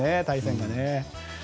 対戦がね。